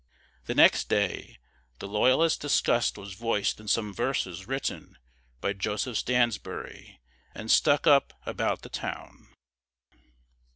The next day, the Loyalist disgust was voiced in some verses written by Joseph Stansbury and stuck up about the town.